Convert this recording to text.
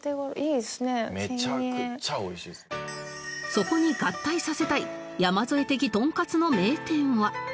そこに合体させたい山添的トンカツの名店は？